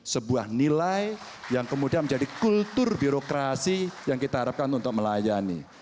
sebuah nilai yang kemudian menjadi kultur birokrasi yang kita harapkan untuk melayani